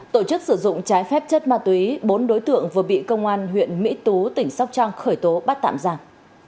tổ chức sử dụng trái phép chất ma túy bốn đối tượng vừa bị công an huyện mỹ tú tỉnh sóc trăng khởi tố bắt tạm giả